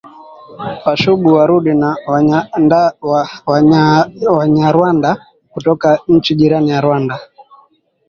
Washubi warundi na wanyarwanda kutoka nchi jirani ya Rwanda